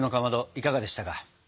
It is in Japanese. いかがでしたか？